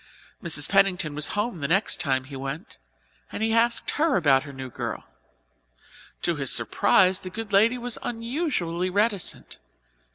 Mrs. Pennington was home the next time he went, and he asked her about her new girl. To his surprise the good lady was unusually reticent.